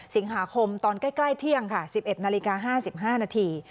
สิงหาคมตอนใกล้ใกล้เที่ยงค่ะสิบเอ็ดนาฬิกาห้าสิบห้านาที